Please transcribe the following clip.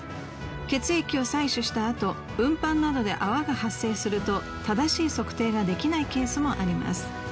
血液を採取したあと運搬などで泡が発生すると正しい測定ができないケースもあります。